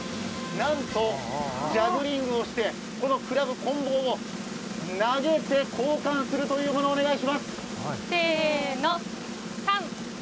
なんと、ジャグリングをしてこのクラブを投げて交換するというもの、お願いします。